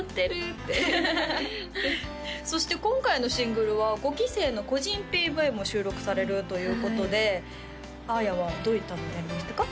ってそして今回のシングルは５期生の個人ＰＶも収録されるということであーやはどういったものをやりましたか？